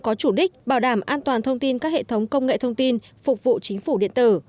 có chủ đích bảo đảm an toàn thông tin các hệ thống công nghệ thông tin phục vụ chính phủ điện tử